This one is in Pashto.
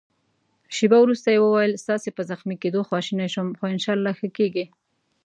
شېبه وروسته يې وویل: ستاسي په زخمي کېدو خواشینی شوم، خو انشاالله ښه کېږې.